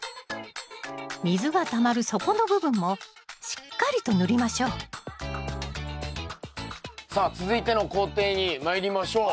水がたまる底の部分もしっかりと塗りましょうさあ続いての工程にまいりましょう。